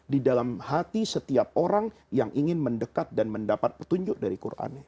di dalam hati setiap orang yang ingin mendekat dan mendapat petunjuk dari quran